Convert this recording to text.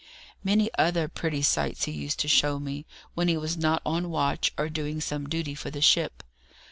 Many other pretty sights he used to show me, when he was not on watch or doing some duty for the ship.